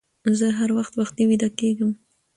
زه هر وخت وختي ويده کيږم